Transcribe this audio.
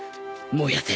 燃やせ！